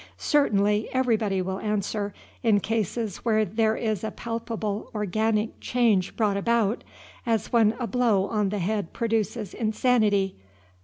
Certainly, everybody will answer, in cases where there is a palpable organic change brought about, as when a blow on the head produces insanity.